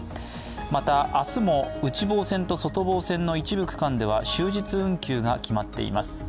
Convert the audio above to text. また、明日も内房線と外房線の一部区間では終日運休が決まっています。